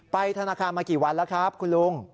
ธนาคารมากี่วันแล้วครับคุณลุง